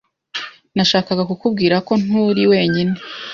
Nashakaga kukubwira ko… Nturi wenyine.